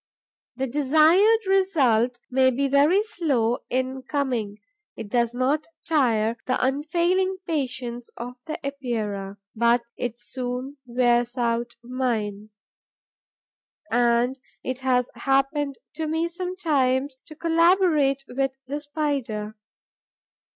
The desired result may be very slow in coming. It does not tire the unfailing patience of the Epeira, but it soon wears out mine. And it has happened to me sometimes to collaborate with the Spider.